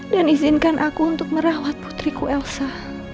dan izinkan aku untuk merawat putriku elsa